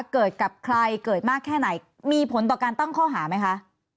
เกิดกับใครเกิดมากแค่ไหนมีผลต่อการตั้งข้อหาไหมคะ